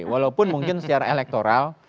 walaupun mungkin secara elektoral